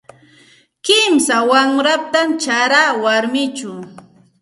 Kimsa wanratam charaa warmichaw.